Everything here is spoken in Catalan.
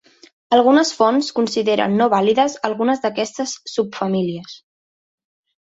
Algunes fonts consideren no vàlides algunes d'aquestes subfamílies.